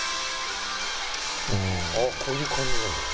こういう感じなんだね。